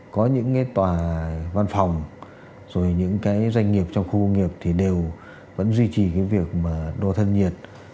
có những cái tòa văn phòng rồi những cái doanh nghiệp trong khu công nghiệp thì đều vẫn duy trì cái việc mà đo thân nhiệt